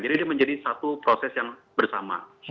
jadi dia menjadi satu proses yang bersama